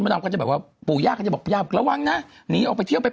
มันออกก็จะแบบว่าปู่ยาก็จะบอกปู่ยาระวังนะหนีออกไปเที่ยว